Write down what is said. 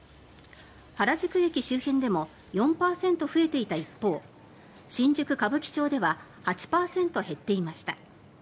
原宿駅周辺でも４％増えていた一方新宿・歌舞伎町では８％減っていました。